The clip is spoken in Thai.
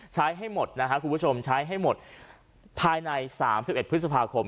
ให้หมดนะครับคุณผู้ชมใช้ให้หมดภายใน๓๑พฤษภาคม